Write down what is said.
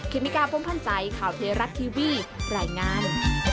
เคมิการ์พร้อมพันธ์ใจข่าวเทราะห์ทีวีแหล่งงาน